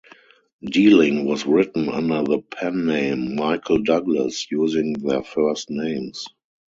"Dealing", was written under the pen name 'Michael Douglas', using their first names.